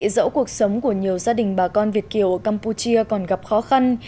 dẫu cuộc sống của nhiều gia đình bà con việt kiều ở campuchia còn gặp khó khăn